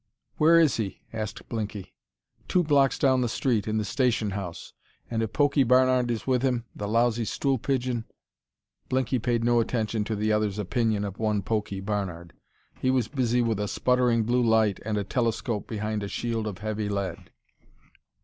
"Where is he?" asked Blinky. "Two blocks down the street, in the station house ... and if Pokey Barnard is with him, the lousy stool pigeon " Blinky paid no attention to the other's opinion of one Pokey Barnard; he was busy with a sputtering blue light and a telescope behind a shield of heavy lead.